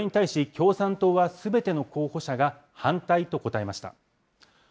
これに対し共産党は、すべての候補者が反対と答えました。